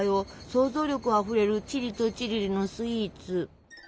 想像力あふれるチリとチリリのスイーツ。